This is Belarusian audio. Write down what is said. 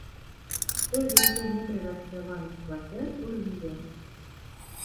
Больш за ўсё непрыватызаваных кватэр у рэгіёнах.